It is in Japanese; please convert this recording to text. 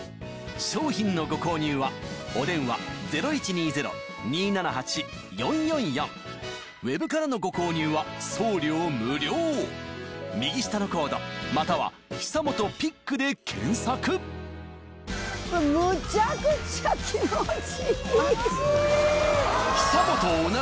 商品のご購入はお電話０１２０−２７８−４４４ウェブからのご購入は送料無料右下のコードまたは「久本ピック」で検索ストレス解消だこれ。